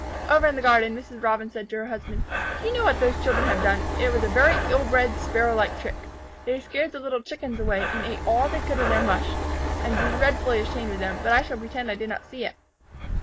Over in the garden, Mrs. Robin said to her husband, "Do you know what those children have done? It was a very ill bred, Sparrow like trick. They scared the little Chickens away, and ate all they could of their mush. I am dreadfully ashamed of them, but I shall pretend I did not see it."